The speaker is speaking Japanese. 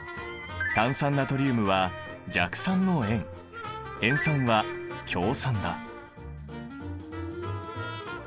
炭酸ナトリウムは弱酸の塩塩酸は強酸だ。